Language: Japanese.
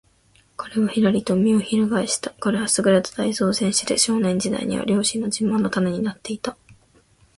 彼はひらりと身をひるがえした。彼はすぐれた体操選手で、少年時代には両親の自慢の種になっていた。